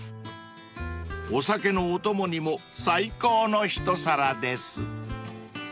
［お酒のお供にも最高の一皿です］